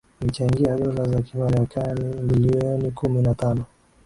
kuichangia dola za kimarekani bilioni kumi na tano